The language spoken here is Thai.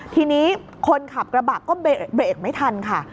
ทีนี้คนขับกระบะก็เบรกไม่ทันค่ะ